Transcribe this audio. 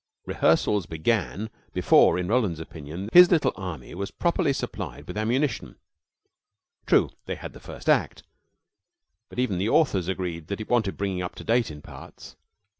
Rehearsals began before, in Roland's opinion, his little army was properly supplied with ammunition. True, they had the first act, but even the authors agreed that it wanted bringing up to date in parts.